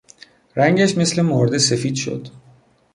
رنگش مثل مرده سفید شد.